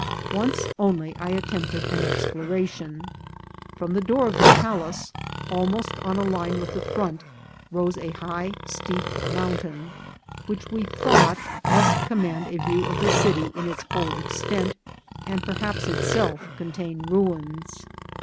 Once only I attempted an exploration. From the door of the palace, almost on a line with the front, rose a high steep mountain, which we thought must com mand a view of the city in its whole extent, and per haps itself contain ruins.